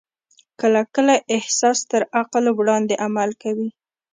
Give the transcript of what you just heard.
کله کله احساس تر عقل وړاندې عمل کوي.